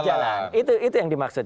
jalan itu yang dimaksud